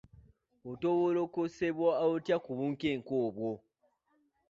Otowoolokosebwa otya ku bunkenke obwo?